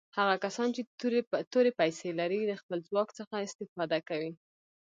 هغه کسان چې تورې پیسي لري د خپل ځواک څخه استفاده کوي.